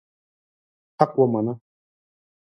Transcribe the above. حق ومنه.